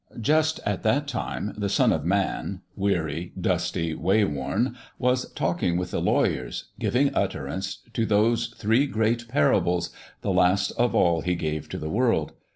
Just at that time the Son of Man, weary, dusty, wayworn, was talking with the lawyers, giving utterance to those three great parables the last of all He gave to the world.